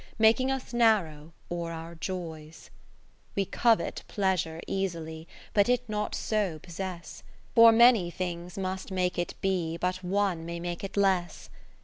Making Us narrow, or our Joys. Against Pleasure IV We covet pleasure easily, But it not so possess ; 20 For many things must make it be, But one may make it less.